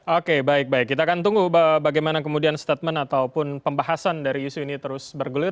oke baik baik kita akan tunggu bagaimana kemudian statement ataupun pembahasan dari isu ini terus bergulir